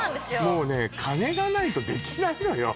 もうね金がないとできないのよ